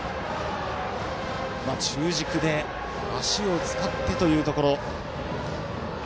中軸で足を使ってというところ。